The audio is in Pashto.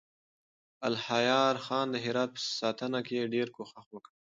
الهيار خان د هرات په ساتنه کې ډېر کوښښ وکړ.